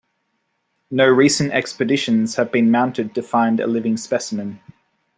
No recent expeditions have been mounted to find a living specimen.